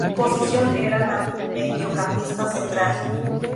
Su posición era la de mediocampista central.